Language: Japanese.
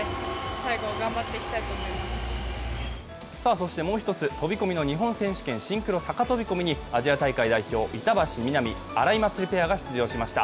そしてもう一つ、飛込の日本選手権シンクロ高飛込にアジア大会代表、板橋美波、荒井祭里ペアが出場しました。